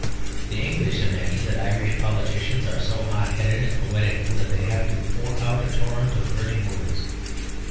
The English imagine that Irish politicians are so hot headed and poetical that they have to pour out a torrent of burning words.